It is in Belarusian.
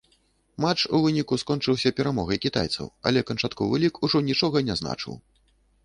Матч у выніку скончыўся перамогай кітайцаў, але канчатковы лік ужо нічога не значыў.